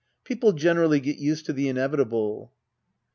] People generally get used to the inevitable.